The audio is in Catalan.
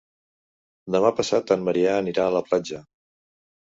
Demà passat en Maria anirà a la platja.